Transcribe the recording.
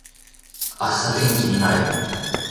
明日天気になれ